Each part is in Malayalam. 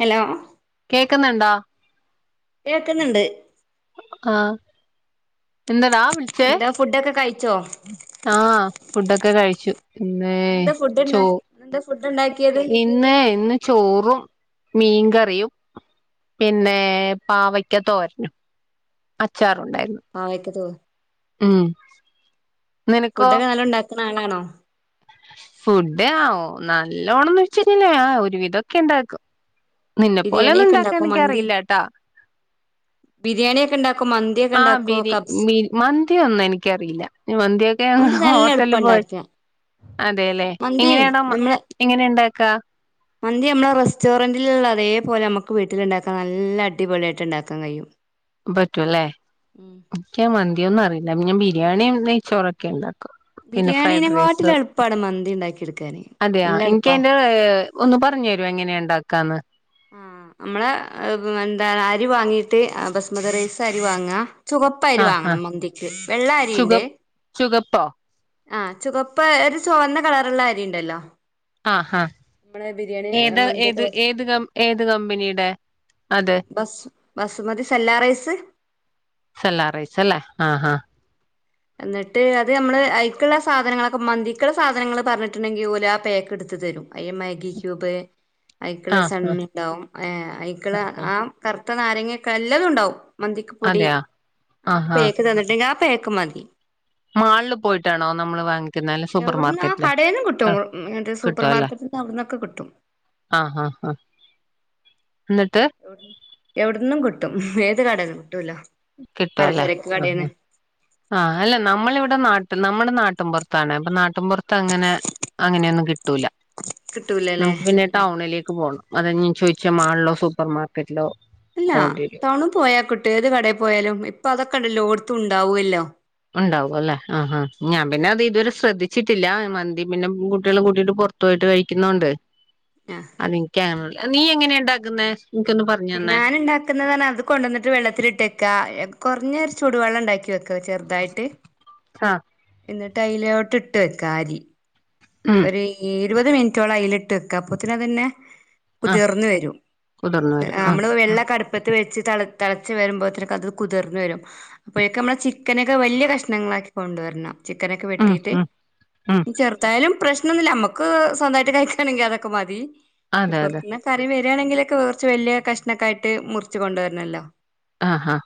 ഹലോ കേക്കുന്നുണ്ടോ? കേൾക്ക്ന്ന് ണ്ട് ആഹ് എന്തടാ വിളിച്ചേ ഫുഡ്‌ ഒ ക്കെ കഴിച്ചോ? ആ ഫുഡൊക്കെ കഴിച്ചു. പിന്നെ ഇന്നെന്താ ഫുഡ് ഇണ്ട ചോ ഇന്നെന്താ ഫുഡ് ഉണ്ടാക്കിയത് ഇന്ന് ഇന്നേ ഇന്ന് ചോറും, മീൻകറിയും പിന്നെ പാവയ്ക്ക തോരനും, അച്ചാറുണ്ടായിരുന്നു. ആ യിട്ട് തോന്നി ഉം. നിനക്കോ ഫുഡ്ഒക്കെ നല്ല ഉണ്ടാക്കുന്ന ആളാണോ? ഫുഡ് ആ നല്ലോണംന്ന ചോയിച്ച ഞ്ഞാൽ ല് ഒരുവിധംക്കെ ഉണ്ടാക്കും നിന്നെപ്പോലെ ബിരിയാണി ഒന്നും ഒക്കെ ഉണ്ടാക്കാൻ ഉണ്ടാക്കോ മന്തി എനിക്കഅറിയില്ല ട്ടാ ബിരിയാണി ഒക്കെ ഉണ്ടാക്കും മന്തി ആ ബിരി മന്തി ഒന്നും എനിക്കറിയില്ല മന്തിഒക്കെ ഞങ്ങള് മന്തി നല്ല ഹോട്ടല് എളുപ്പം പോയിട്ട് ഉണ്ടാക്കാ അതെലെ മന്തി എങ്ങനെയാണോമന്തി നമ്മളെ എങ്ങനെ ഇണ്ടാക്കാ മന്തി നമ്മളെ റെസ്റ്റോറന്റിലുള്ള അതേപോലെ നമുക്ക് വീട്ടിലുണ്ടാക്കാൻ നല്ല അടിപൊളിയ ആയിട്ട് ഇ ണ്ടാക്കാൻ കഴിയും. ഉം പറ്റൂല്ലേനക്ക് മന്തിന്നും അറിയില്ല ഞാൻ ബിരിയാണി നൈ ച്ചോറൊക്കെ ഇണ്ടാക്കും. പിന്നെ ഫ്രൈഡ് റൈസ് ബിരിയാണീനെക്കാട്ടിലും എളുപ്പാണ് മന്തി ഉണ്ടാക്കിയെടുക്കാന് അതെയ നല്ല ഇൻക്ക് എളുപ്പാ അതിന്റെ ഒന്ന് പറഞ്ഞു തരുമോ എങ്ങനെയാ ഇണ്ടാക്കാന് ആ നമ്മള് എന്താ അരി വാങ്ങീട്ട് ബസ്മതി റൈസ് അരി വാങ്ങാ ചുവപ്പ് അരി ആഹ് വാങ്ങണം മന്തിക്ക് വെള്ള അരിയിണ്ട് ചുവപ്പോ ആ ചുവപ്പ് ഒരു ചൊവന്ന കളറയുള്ള അരിയിണ്ടല്ലോ ആഹാ ഏതാ മന്തിയൊക്കെ ഏത് ഏത് ക ഏത് കമ്പനിയുടെ- അതെ ബസ് ബസ് മതി സെല്ലാ റൈസ് സെല്ലാറൈസ് അല്ലേ ആഹാ എന്നിട്ട് അത് നമ്മള് അയ്ക്കുള്ള സാധനങ്ങളൊക്കെ മന്തിക്കുള്ള സാധനങ്ങള് പറഞ്ഞിട്ടുണ്ടെങ്കിൽ ഓല് ആ പേക്ക് ഇടുത്ത് തരും അയ്യ മാഗി ക്യൂബ് അയിക്കുള്ള ആഹ് ആഹ് സണ്ണിണ്ടാവും ആ അയിക്ക് ഉള്ള ആഹ് ആ കറുത്ത നാരങ്ങൊക്കെ എല്ലതും ഉണ്ടാവും മന്തിക്ക് പൊടി അതെയാ അതിന്റെ ആഹ് ആഹ് പേക്ക് തന്നിട്ടില്ലേ ആ പേക്ക് മതി മാളിൽ പോയിട്ടാണോ നമ്മള് വാങ്ങി എവിടന്ന് കടയിൽ നിന്ന് കിട്ടും കിട്ടും അല്ലേ സൂപ്പർമാർക്കറ്റിൽ നിന്ന് അവിടന്നൊക്കെ കിട്ടും ആഹ് ആഹ് ആഹ് എന്നിട്ട്- എവിടെന്നും കിട്ടും ഏത് കടേന്നും കിട്ടൊല്ലോ കിട്ടുവല്ലേ ആഹ് ആഹ് ആഹ് അല്ല നമ്മളിവിടെ നാട്ട് നമ്മുടെ നാട്ടും പൊറത്താണ് അപ്പൊ നാട്ടും പൊറത്ത് അങ്ങനെ- അങ്ങനെയൊന്നും കിട്ടൂല കിട്ടൂലല്ലേ നമുക്ക് പിന്നെ ടൗണിലേക്ക് പോകണം അതാ ഞാൻ ചോദിച്ചേ മാളിലോ സൂപ്പർ മാർക്കറ്റിലോ- അല്ല പോണ്ടി വരും ടൗണിൽ പോയാൽ കിട്ടുംഏത് കടയിൽ പോയാലും ഇപ്പ അതൊക്കെ എല്ലോടത്തും ഉണ്ടാവുവല്ലോ ഇണ്ടാവും അല്ലേ ആഹ് ആഹ് ഞാൻ പിന്നെ അത് ഇതുവരെ ശ്രദ്ധിച്ചിട്ടില്ല മന്തി പിന്നെ കുട്ടികളെ കൂട്ടിട്ട് പൊറ - ത്ത് പൊയിട്ട് കഴിക്കുന്നോണ്ട് ആഹ [unintelligible] അത് എനിക്ക് അറിയില്ല നീ എങ്ങനെയ ഇണ്ടാക്കുന്നെ എനിക്കൊന്നു പറഞ്ഞു- തന്നെ ഞാനു ഇണ്ടാക്കിയ- ക്കുന്നെന്ന് പറഞ്ഞാ അത് കൊണ്ട വന്നിട്ട് വെള്ളത്തിലിട്ട വയ്ക്കുക കൊറഞ്ഞ ഒരു ചൂടു വെള്ളം ഇണ്ടാക്കി വയ്ക്കുക ചെറുതായിട്ട്- ആഹ് എന്നിട്ട് അയിലോട്ട് ഇട്ട് വക്കുക അരി ഉം ഒരു ഇരുപത് മിനിറ്റോളം അതിലിട്ട് വെക്ക അപ്പൊത്തിന്നെ തന്നെ- ആഹ് കുതിർന്ന വരും കുതിർന്നവര് ആഹ് നമ്മള് വെള്ളൊക്കെ അടുപ്പ - ടുപ്പത്ത് വെച്ച് തെളച്ച് വരുമ്പോഴത്തേക്ക അത് കുതിർന്നു വരും അപ്പോഴൊക്കും നമ്മള് ചിക്കനൊക്കെ വലിയ കഷ്ണങ്ങളാക്കി കൊണ്ടുവരണം ചിക്കനൊക്കെ ഉം വെട്ടിയിട്ട് ഉം ഉം ചെറുതായാലും - പ്രശ്നൊന്നുമില്ല നമ്മുക്ക് സ്വന്തമായിട്ട് കഴിക്കാണെങ്കിൽ അതൊക്കെ മതി അതെ അതെ പൊറത്തിന്ന് കറി വരികയാണെങ്കിലൊക്കെ കൊറച്ച് വലിയ കഷ്ണൊക്കെയായിട്ട് മുറിച്ച് കൊണ്ട് വരണമല്ലോ ആഹാ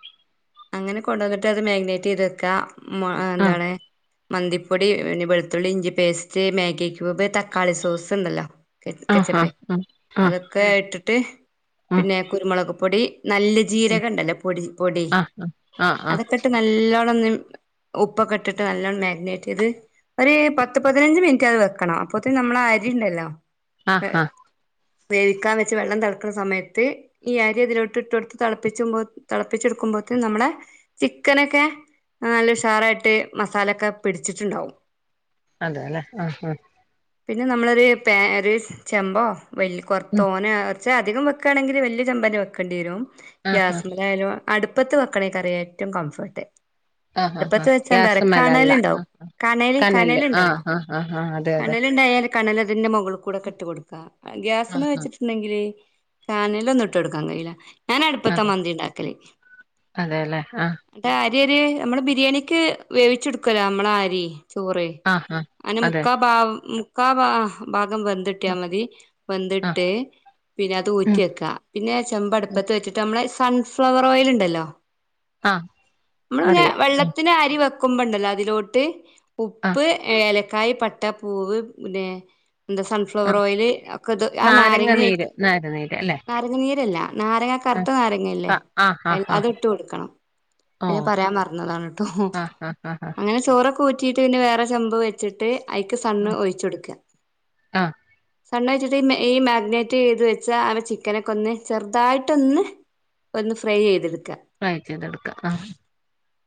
അങ്ങനെ കൊണ്ടു വന്നിട്ട് അത് മാഗ്നേറ്റ് ചെയ്ത് വെക്കാ മ ആഹ് എന്താണ്- മന്തിപ്പൊടി പിന്നെ വെളുത്തുള്ളി ഇഞ്ചി പേസ്റ്റ് മാഗി ക്യൂബ് തക്കാളി സോസ് ഉണ്ടല്ലോ- ആഹ് ചെപ്പേ ആഹ് ആഹ് അതൊക്കെ ഇട്ടിട്ട് ആഹ് പിന്നെ കുരുമുളക് പൊടി നല്ല- ജീരക ഉണ്ടല്ലോ പൊടി പൊടി ആഹ് ആഹ് ആഹ് ആഹ് ആഹ് അതൊക്കെ- നല്ലോണം ഒന്ന് ഉപ്പൊക്കെ ഇട്ട് നല്ലോണം മാഗ്നറ്റ് ചെയ്ത് ഒരു പത്ത്‌ പത്ത് - പതിനഞ്ച് മിനിറ്റ് അത് വെക്കണം അപത്തെന് നമ്മള അരി ഉണ്ടല്ലോ- ആഹ് ആഹ് വേവിക്കാൻ വെച്ച് വെള്ളം തെളക്കുന്ന സമയത്ത്- ഈ അരി അതിലോട്ട് ഇട്ട് കൊടുത്തു തെളപ്പിച്ചോ തെളപ്പിച്ചെടുക്കുമ്പോത്തേ നമ്മടെ ചിക്കനെക്കെ- നല്ല ഉഷാറായിട്ട് മസാലൊക്കെ പിടിച്ചിട്ടുണ്ടാാവും അതെ അല്ലേ ആഹ് ആഹ് പിന്നെ നമ്മളൊരു പനോ ഒരു ചെമ്പോ വല കൊറ ഉം തോനെ - പക്ഷ അധികം വെക്കുവാണെങ്കിൽ വല്ലിയ ചെമ്പ് തന്നെ വെക്കേണ്ടി വരും ആഹ് ആഹ് ഗ്യാസ്മായയാലും- അടാപ്പത്ത് വെക്കണ ഈ കറിയേറ്റൊം കംഫൊർട്ട് ആഹ് ആഹ് ട്പ്പത്ത് ആഹ് വെച്ചാന്താറ്യൊ ഗ്യാസ്മലല്ല കണലിണ്ടാവും ആഹ് കണല് കനലില് ആഹ് കനലിണ്ടല്ലോ ആഹ് ആഹ് അതെ അതെ കണലിണ്ടായാൽ കണലതിന്റെ മൊകൾ കൂടെക്കെട്ട് കൊട്ക്ക ഗ്യാസ്മ്മെ ആഹ് ആഹ് വെച്ചിട്ട് ണെങ്കില് കാനലൊന്നു ഇട്ടൊട്ക്കാൻ കൈല ഞാനട്പ്പത്താ അതെ മന്തിണ്ടാക്കല് അതെല്ലേ ആഹ് ന്നെ ആര്യൊര് നംള് ബിരിയാണിക്ക് വേവിച്ചിട്ക്കൊല്ലോ നംളാരി ചോറ് ആഹ് അഹ് അനെ മുക്കാ ഭാ മുക്കാ ഭാ ഭാഗം വെന്തിട്ട്യാ മതി ആഹ് വെന്തിട്ട് പിന്നെ അത് ഉം ഊറ്റ്യെക്കാ പിന്നെ ചെമ്പട്പത്ത് വെച്ചിട്ട് നംളെ സൺഫ്ലവറോയിൽ ഇണ്ടല്ലോ ആഹ് മ്ള് പിന്നെ അറിയാം ഉം വെള്ളത്തിന് അരി വെക്കുമ്പണ്ടല്ലോ അതിലോട്ട് ഉപ്പ് ആഹ് ഏലക്കായി പട്ട പൂവ് പിന്നെ എന്താ സൺഫ് ആഹ് ഫ്ലവറോയില് ഒക്കെ ഇത് ആഹ് നാരങ്ങ നാരങ്ങി നീര് നാരനീര് അല്ലെ നാരങ്ങ നീരല്ല നാരങ്ങ ആഹ് കർത്ത നാരങ്ങെല്ലേ ആഹ് അ ആഹ് അത് ആഹ് ഇട്ട് കൊടുക്കണം അ ഞാൻ ഓഹ് പറയാൻ മർന്നാതാണ് ട്ടോ ആഹ് ആഹ് ആഹ് ആഹ് അങ്ങനെ ചോറൊക്കൂ റ്റീട്ട് പിന്നെ വേറെ ചെമ്പ് വെച്ചിട്ട് ഐക്ക് സണ്ണ് ഉം ഒയ്ച്ചൊട്ക്ക ആഹ് സണ്ണൊയ്ച്ചിട്ട് മേ ഈ മാഗ്നെറ്റേയ്ത് വെച്ചാ അവ ചിക്കനൊക്കൊന്ന് ചെർതായ്ട്ടൊന്ന് ഒന്ന് ഫ്രൈയ്യെയ്തിട്ക്ക ഫ്രൈ ചെയ്തെട്ക്ക ആഹ്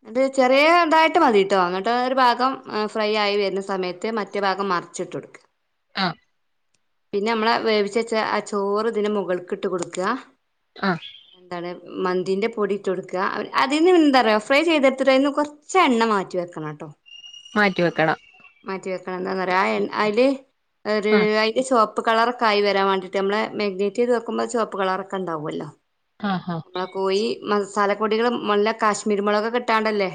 ഇത് ചെറ്യേ തായ്ട്ട് മതീട്ടോ ഇന്നിട്ടൊ ഒരു ഭാഗം ഫ്രൈ ആയി വെര്നെ സ് സമയത്ത് മറ്റേ ഭാഗം മർച്ചിട്ടൊട്ക്ക ആഹ് പിന്ന അംളെ വേവിച്ച ആ ചോറ് ഇതിന് മുകൾക്കിട്ട് കൊട്ക്ക ഹാ എന്താണ് മന്തിൻ്റെ പൊടിട്ടൊട്ക്ക അതീന്ന് എന്താറ്യോ പ ഫ്രൈ ചെയ്തെട്ത്തിട്ടൈന്ന് കൊർ ച്ചെണ്ണ മാറ്റിവെക്കണട്ടോ മാറ്റിവെക്കണം മാറ്റി വെക്കണ എന്താന്നറ്യോ ആഹ് എൺ അയില് ഒരു ആഹ് അയ്ൻ്റെ ചോപ്പ് കളറൊക്കായി വരാൻ വാണ്ടീട്ട് അംളെ മഗ്നേറ്റെയ്ത് വെക്കുമ്പൊ ചോപ്പ് കളറൊക്കെണ്ടാവൊല്ലോ ആഹ് ആഹ് മ്ളെ കോയി മസാലപ്പൊടികള് നല്ല കാശ്മീരി മൊളകൊക്കെട്ടാണ്ടല്ലേ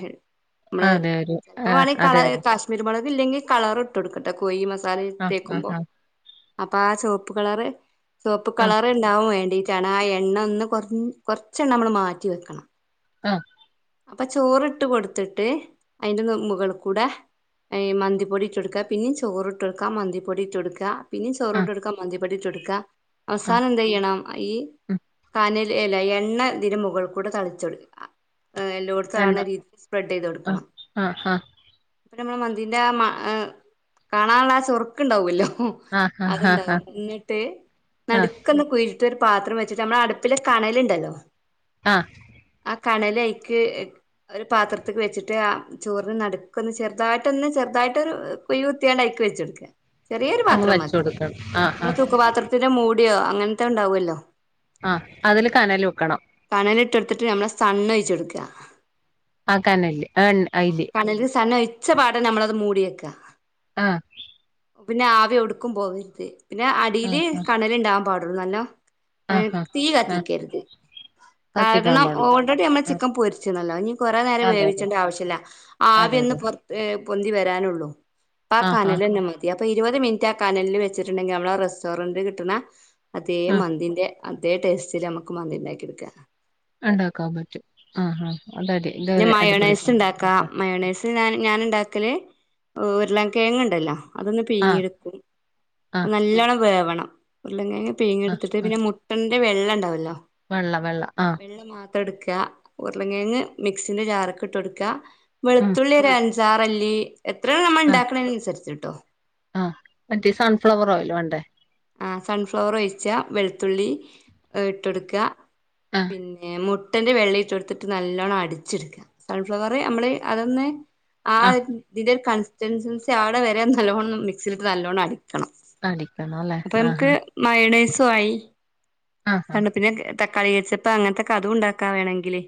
മ്ള് അതെ ഒരു പ്പ ആഹ് വേണെ കള അതെ അതെ കാഷ് കുരുമൊളക് ഇല്ലെങ്കി കളറിട്ടൊട്ക്കാട്ട കോയി മസാലെ ആഹ് തേക്കുമ്പോ ആഹ് ആഹ് അപ്പ ആഹ് ചോപ്പ് കളറ് ചോപ്പ് ആഹ് കളറ് ഇണ്ടാവും വേണ്ടി ട്ടാണ് ആവ് എണ്ണ ഒന്ന് കൊർ കൊർച്ചണ്ണ അംൾ മാറ്റി വെക്കണം ആഹ് അപ്പ ചോറിട്ട് കൊട്ത്തിട്ട് അയിന്റെ നു മുകൾ കൂടെ അയ് മന്തിപ്പൊടിട്ടൊട്ക്ക പിന്നിം ചോറ് ഇട്ടൊട്ക്ക മന്തിപ്പൊടി ഇട്ടൊട്ക്ക പിന്നിം ആഹ് ചോറിട്ടൊട്ക്ക മന്തിപ്പൊടിട്ടൊട്ക്ക ആഹ് അവസാനം എന്തെയ്യണം ഈ ഉം കാനൽ എല്ല എണ്ണ ഇതിന് മുകൾ കൂടെ തളിച്ചൊട്ക്ക എല്ലോടത്തും എണ്ണ ആണരീ [inaudible] ആഹ് സ്പ്രെഡ്ഡെയ്തൊട്ക്കണം ആഹ് ഹ പിന്നംള മന്തിന്റാ മ എഹ് കാണാള്ള ആഹ് ചൊർക്കിണ്ടാവ്വോല്ലോ ആഹ് ആഹ് ആഹ് അത്ണ്ടാവും ഇന്നിട്ട് ആഹ് ആഹ് നട്ക്കൊന്ന് കുയ് ത്തൊരും പാത്രം വെച്ചിട്ട് അംളാട്പ്പിലെ കണലിണ്ടല്ലോ ആഹ് ആഹ് കണലൈക്ക് ഒരു പാത്രത്തിക്ക് വെച്ചിട്ട് ആൻഅ ചോർന് നട് കൊന്ന് ചെർതായിട്ടൊന്ന് ചെർതായിട്ടൊരു കുയി കുത്ത്യാണ്ട് അയ്ക്ക് വെച്ചൊട്ക്ക ചെറ്യോരു അങ്ങ് പാത്രം വച്ച് മതി കൊടുക്കണം ആഹ് അംള ആഹ് തൂക്കു പാത്രത്തിന്റെ മൂടിയോ അങ്ങൻത്തെ ഇണ്ടാവൊല്ലോ ആഹ് അതില് കനല് വെക്കണം കണല്ട്ടൊട്ത്ത്ട്ട് നമ്മളെ സണ്ണോയ്ച്ചൊട്ക്ക ആക്കാനല്ലെ ഏൺ അയ്ല് തന്നൊയ്ച്ച പാടെന്നെ ഞമ്മളത് മൂടിയെക്ക ആ പിന്നെ ആവി എവ്ട്ക്കും പോവരുത് പിന്നെ ആഹ് അടില് ആഹ് കണലണ്ടാകാൻ പാടുള്ളു നല്ലോ എ ആഹ് ആഹ് തീ ആഹ് കത്തിക്കര്ത് കത്തിക്കാൻ കാരണം പാടില്ല ഓൾറെഡി ഞമ്മള് ആഹ് ചിക്കൻ പൊര്ച്ച്ണല്ലോ ഇനി കൊറെ നേരം അതെ അതെ വേവിച്ചേണ്ട ആവശ്യല്ല ആവി അതെ ഒന്ന് അതെ പൊർ പൊന്തി വെരാനൊള്ളു പ്പാ ആഹ് ആഹ് കനലെന്നെ മ തി അപ്പൊ ഇരുപത് മിൻറ്റാ കനലിൽ വെച്ച്ട്ട്ണ്ടെങ്കില് നമ്മളെ റെസ്റ്റോറന്റ് കിട്ട്ണ അതേ ആഹ് മന്തിന്റെ അതേ ടേസ്റ്റില് ഞമ്മക്ക് മന്ദി ണ്ടാക്കിട്ക്കാ ഉണ്ടാക്കാൻ പറ്റും ആ ആ അതാടി പിന്നെ മയോണേഴ്സ് ണ്ടാക്കാ മയോണേഴ്സ് ഞാന് ഞാന്ണ്ടാക്കല് ഉരുളങ്ങെങ്ണ്ടല്ലോ അതൊന്ന് ആഹ് പിഴിങ്ങിട്ക്കും ആഹ് നല്ലോണം വേവണം ഉരുളൻ കെഴങ് ആഹ് പിഴിങ്ങിട്ത്ത്ട്ട് ആഹ് പിന്നെ മുട്ടന്റെ വെള്ള ണ്ടാവല്ലോ വെള്ള വെള്ള ആ ള്ള മാത്രട്ക്ക ഉരുളങ്ങെങ്ങ് മിക്സിന്റെ ജാറ്ക്ക്ട്ടൊട്ക്ക ഉം വെളുത്തുള്ളി ഒരഞ്ച് ജാറല്ലി എത്രെ നമ്മൾണ്ടാക്ക്ണെനൻസര്ച്ച് ട്ടോ ആ മറ്റേ സൺഫ്ലവറോയൽ വാണ്ടേ ആ സൺഫ്ലവറൊയ്ച്ചാ വെൾത്തുള്ളി ഇട്ടൊട്ക്ക ആഹ് പിന്നെ മു ട്ടന്റെ വെള്ളയിട്ടൊട്ത്ത്ട്ട് നല്ലോണ്ണം അടിച്ച്ട്ക്ക സൺഫ്ലവർ നമ്മള് അതൊന്ന് ആ ആഹ് ഇതിന്റെ ഒരു കൺസിസ്റ്റൻസൻസി ആവ്ണ വെരെ നല്ലോണൊന്ന് മിക്സിലിട്ട് നല്ലോണം അടിക്കണം അടിക്കണോലെ ആ ആ മയോണൈസു ആയി ആഹ് തണ്ണു പിന്നെ തക്കാളി കെച്ചപ്പ് അങ്ങൻത്തൊക്കെ അതും ണ്ടാക്കാ വേണെങ്കില്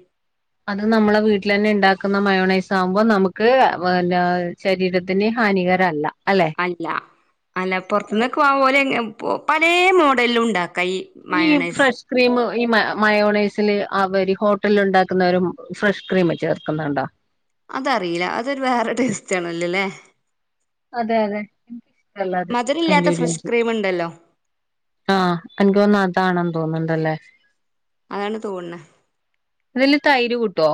അത് നമ്മള് വീട്ടിലെന്നെ ണ്ടാക്കുന്ന മയോണൈസാകുമ്പോ നമുക്ക് [unintelligible] ശരീരത്തിന് ഹാനികരല്ല അല്ലെ അല്ല അല്ല പൊർത്ത്ന്നൊക്കെ വാങ്ങുമ്പോ ഓലെ പലേ മോഡല്ലും ണ്ടാക്കാ ഈ ഈ മയോണൈസ് ഫ്രഷ് ക്രീം ഈ മ മയോണേസില് അവര് ഹോട്ടല്ല്ണ്ടാക്ക്ന്നവരും ഫ്രഷ് ക്രീം ചേർക്ക്ന്ന്ണ്ടോ അതറില്ല അതൊരു വേറെ ടേസ്റ്റാണല്ലോല്ലേ അതെ അതെ അല്ലാതെ മധുരല്ലാത്ത അയ്ന്റെ ഫ്രഷ് രുചി ക്രീം ഉണ്ടല്ലോ ആ എൻക്കോന്നു അതാണെന്ന് തോന്ന്ണ്ടല്ലേ അതാണ് തോണ്ണ് ഇതില്ല് തൈര് കൂട്ടോ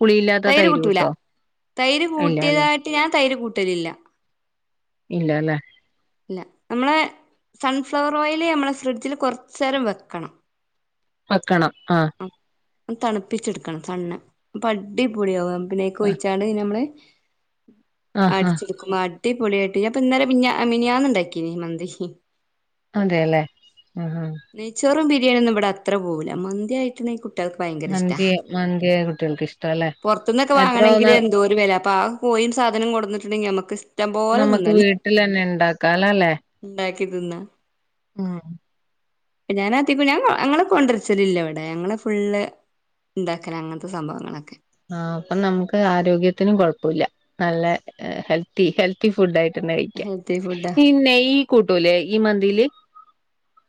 പുളിയില്ലാത്ത തൈര് കൂട്ടൂല കൂട്ടോ തൈര് ഇല്ലല്ലേ കൂട്ടിയതായിട്ട് ഞാൻ തൈര് കൂട്ടലില്ല ഇല്ലലെ ഇല്ല നമ്മളെ സൺഫ്ലവറോയില് നമ്മളെ ഫ്രിഡ്ജില് കൊർച്ചേരം വെക്കണം വെക്കണം ആ തണുപ്പിച്ച്ട്ക്കണം സണ്ണ് പ്പടിപൊളിയാകും നമ്മക്ക് നേ ആഹ് ക്കൊയ്ച്ചാണ് ഞമ്മള് ആഹ് ആഹ് അടിച്ച്ട്ക്കും അടിപൊളിയായിട്ട് ഞാപ്പൊ ഇന്നലേ മിഞ്ഞാ മിനിഞ്ഞാന്ന്ണ്ടാക്കിനി മന്തി അതെല്ലേ ഹ ഹ നെയ്ച്ചോറും ബരിയാണി ഒന്നും ഇവിടെ അത്ര പോവൂല്ല മന്ത്യായ്ട്ട്ണ്ടെങ്കി കുട്ട ട്ട്യാൾക്ക് ഭയങ്കര ഇഷ്ടാ മന്തി മന്തി കുട്ടികൾക്ക് ഇഷ്ടല്ലേ പൊർത്ത്ന്നൊക്കെ എത്ര വാങ്ങണെങ്കില് ആവുന്ന എന്തോര് വെല അപ്പാ കോയീം സാധനും കൊട്ന്ന്ട്ട്ണ്ടെങ്കില് ഞമ്മക്ക് ഷ്‌ നമ്മക്ക് വീട്ടിലെന്നെ ണ്ടാക്കാലല്ലേ ഉണ്ടാക്കിതിന്നാ ആ പ്പ ഞാനതികോം ഞാൻ ഞങ്ങള് കൊണ്ടര്ച്ചലില്ല വടെ ഞങ്ങള് ഫുള്ള് ഉണ്ടാക്കലാ അങ്ങനത്തെ സംഭവങ്ങളൊക്കെ. ആഹ് അപ്പം നമ്മുക്ക് ആരോഗ്യത്തിനും കൊഴപ്പല്ല. നല്ല ഹെൽത്ത് ഹെൽത്തി ഫുഡ് ആയിട്ട് തന്നെ കഴിക്കാം. ഹെൽത്തി ഫുഡാ പിന്നെ ഈ കൂട്ടൂല്ലേ ഈ മന്തിയില്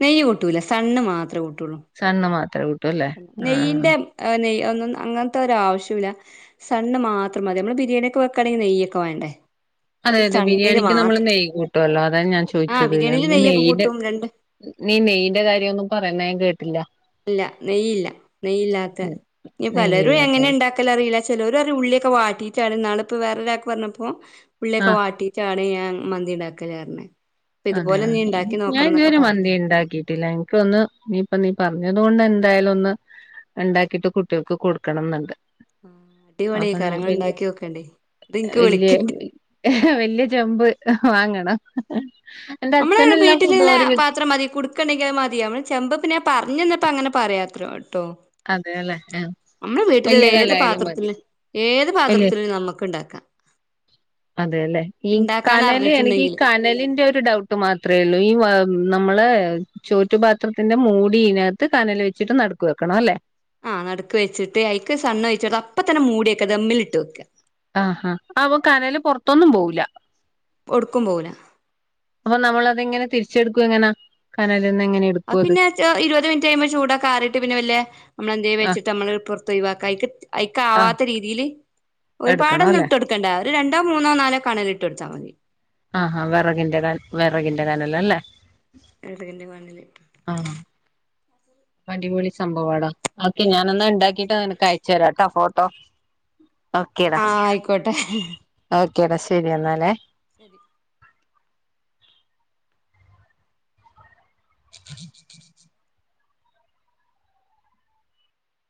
നെയ്യ് കൂട്ടൂല്ല സൺ മാത്ര കൂട്ടുള്ളൂ. സൺ മാത്രമേ നെയ്യന്റെ നെയ്യ് ഒന്നും അങ്ങനത്തെ ഒരു ആവശ്യം ഇല്ല. സൺ മാത്രം മതി. നമ്മള് ബിരിയാണിയെക്കെ വെക്കുവാണങ്കി നെയ്യൊക്കെ വേണ്ടേ? അതെ ഇത് അതെ സണ്ണില് ബിരിയാണിക്ക് നമ്മള് മാത്രം നെയ്യ് കൂട്ടല്ലോ. അതാണ് ഞാൻ ആ ചോദിച്ചത് ബിരിയാണിയിൽ നെയ്യൊക്കെ നെയ്ന്റെ കൂട്ടും രണ്ട് നീ നെയ്യിന്റെ കാര്യമൊന്നും പറയന്ന ഞാൻ കേട്ടില്ല ഇല്ല നെയ്യില്ല. നെയ്യില്ലാത്ത ഇനി പലരും എങ്ങനെ നെയ്യില്ലാത്ത ഉണ്ടാക്ക ൽ അറിയില്ല ചിലര് പറയും ഉള്ളിയൊക്കെ വാട്ടിട്ടാണ് ഇന്നാള് ഇപ്പ വേറെ ഒരാൾക്ക് പറഞ്ഞപ്പൊ ഉള്ളിയൊക്കെ ആഹ് വാട്ടിട്ട് ട്ടാണ് ഞാൻ മന്തി ഉണ്ടാക്കല് പറഞ്ഞേ. അതെയതെ ഞാൻ ഇതുവരെ പറഞ്ഞു മന്തി ഉണ്ടാക്കിയിട്ടില്ല. ഒന്ന് നീ ഇപ്പൊ നീ പറഞ്ഞത് കൊണ്ട് എന്തായാലും ഒന്ന് ഉണ്ടാക്കിട്ട് കുട്ടികൾക്ക് കൊടുക്കണംന്നുണ്ട്. ആഹ് അടിപൊളി കാരങ്ങൾ നിങ്ങൾ ഉണ്ടാക്കി നോക്കേണ്ടി. എന്നിട്ട് എനിക്ക് വല്യ വിളിക്കണ്ടി. വല്യ ചെമ്പ് വാങ്ങണം. എന്റെ നമ്മള് അച്ഛനെല്ലാ ഫുഡും വീട്ടിലുള്ള ഒരു വി പാത്രം മതി. കൊടു നക്കണെങ്കിൽ മതിയാമ്മള് ചെമ്പപ്പ പി പറഞ്ഞന്നപ്പപ്പോ അങ്ങനെ പറയാത്രോ ട്ടോ. അതെല്ലേ നമ്മള വീട്ടിലുള്ള ഏത് പാത്രത്തി ഏത് വലിയ പാത്രത്തിലും നമ്മക്ക് ണ്ടാക്കാം അതെല്ലെ ഈ കനല് എനിക്ക് ഈ അറിഞ്ഞിട്ടുണ്ടെങ്കില് കനലിന്റെ ഒരു ഡൗട്ട് മാത്രേ കു ഈനമ്മളെ ചോറ്റുപാത്രത്തിന്റെ മൂടി ഇതിനകത്ത് കനൽ വെച്ചിട്ട് നടക്ക് വെക്കണം അല്ലേ? ആഹ് നടുക്ക് വെച്ചിട്ട് അയ്ക്ക് സൺ ഒയിച്ചിട്ട് അപ്പ തന്നെ മൂടി വെക്ക ദമ്മൽട്ട് വയ്ക്ക ആഹാ അപ്പൊ കനല് പൊറത്തൊന്നും പോവില്ല എവ്ടുക്കും പോകുല്ല അപ്പൊ നമ്മളതെങ്ങനെ തിരിച്ചെടുക്കും എങ്ങനാ കനൽന്ന് എങ്ങനെ എടുക്കും അത് പിന്നെ ഇരുപത് മിനിറ്റ് കയുമ്പോ ചൂടാക്കെആറിട്ട് പിന്നെ വെല്ലെ നമ്മളെന്തെങ്കിലും ആഹ് വെച്ചിട്ട് നമ്മള് പൊറത്ത ഒയ് വാക്ക അയ്ക്ക് ആഹ് അവാത്ത രീതി രീതില് എടുക്കണം ഒരുപാടൊന്നും അല്ലെ ഇട്ട് കൊടുക്കണ്ട ഒരു രണ്ടോ മൂന്നോ നാലോ കനൽ ഇട്ട് കൊടുത്ത മതി ആഹാ വെറകിന്റെൻ വെറകിന്റെ കനല് അല്ലേ? വെറകിന്റെ കനല് ആഹ് അടിപൊളി സംഭവാടാ ഓക്കെ ഞാനാ ഉണ്ടാക്കിട്ട് നിനക്ക് അയച്ചു തരാംട്ടോ ഫോട്ടോ ഓക്കേടാ ആ ആയിക്കോട്ടെ ഓക്കേടാ ശരി എന്നാലേ ശരി [inaudible]